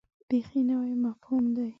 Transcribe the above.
بیخي نوی مفهوم دی.